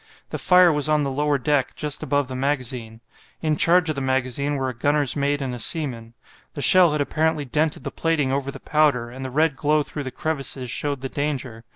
The fire was on the lower deck, just above the magazine. In charge of the magazine were a gunner's mate and a seaman. The shell had apparently dented the plating over the powder, and the red glow through the crevices showed the danger.